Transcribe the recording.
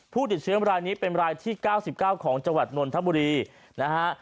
ผู้ติดเชื้อรายนี้เป็นรายที่๙๙ของจังหวัดนนทบุรีนะฮะ